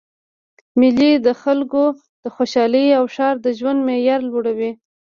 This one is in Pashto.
میلې د خلکو د خوشحالۍ او ښار د ژوند معیار لوړوي.